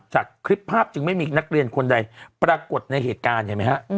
จากคลิปภาพจึงไม่มีนักเรียนคนใดปรากฏในเหตุการณ์เห็นไหมฮะ